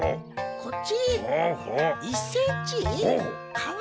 こっち？